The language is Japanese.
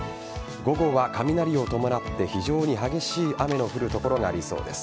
午後は雷を伴って非常に激しい雨の降る所がありそうです。